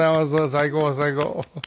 最高最高。